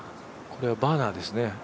これはバーナーですね。